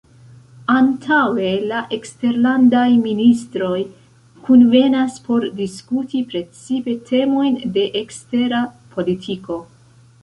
Antaŭe la eksterlandaj ministroj kunvenas por diskuti precipe temojn de ekstera politiko.